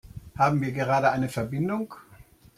Haben wir gerade eine Verbindung?